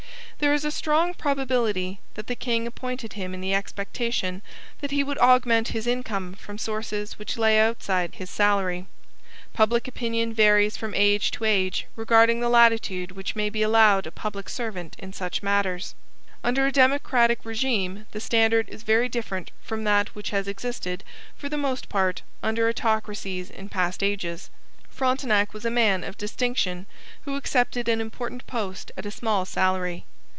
There is a strong probability that the king appointed him in the expectation that he would augment his income from sources which lay outside his salary. Public opinion varies from age to age regarding the latitude which may be allowed a public servant in such matters. Under a democratic regime the standard is very different from that which has existed, for the most part, under autocracies in past ages. Frontenac was a man of distinction who accepted an important post at a small salary.